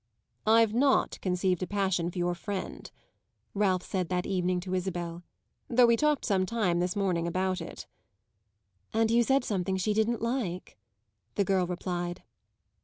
"I've not conceived a passion for your friend," Ralph said that evening to Isabel, "though we talked some time this morning about it." "And you said something she didn't like," the girl replied.